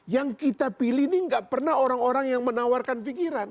yang kita pilih ini gak pernah orang orang yang menawarkan pikiran